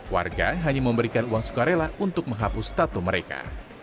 warga hanya memberikan uang sukarela untuk menghapus tatu mereka